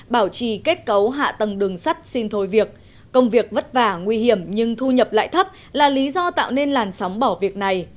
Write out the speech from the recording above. bảo trì kết cấu hạ tầng đường sắt xin thôi việc công việc vất vả nguy hiểm nhưng thu nhập lại thấp là lý do tạo nên làn sóng bỏ việc này